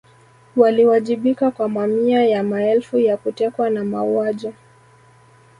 Waliwajibika kwa mamia ya maelfu ya kutekwa na mauaji